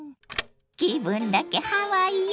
気分だけハワイよ。